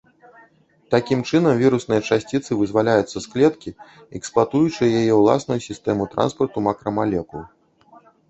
Такім чынам вірусныя часціцы вызваляюцца з клеткі, эксплуатуючы яе ўласную сістэму транспарту макрамалекул.